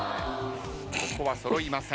ここは揃いません。